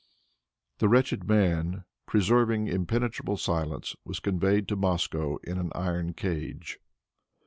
The wretched man, preserving impenetrable silence, was conveyed to Moscow in an iron cage.